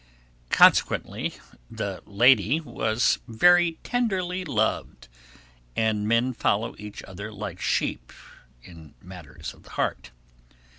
Consequently, the lady was very tenderly loved and men follow each other like sheep in matters of the heart.